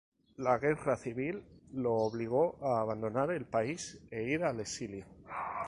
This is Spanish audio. La Guerra Civil lo obligó a abandonar el país e ir al exilio.